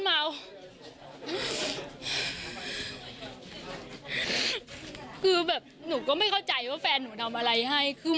แบบไหนเนี่ยผมแบบใดแล้ว